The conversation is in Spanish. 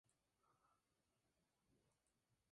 Esto se mezclaba con una imagen a lo New Kids on the Block.